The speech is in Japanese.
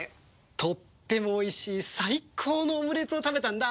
とってもおいしい最高のオムレツを食べたんだ。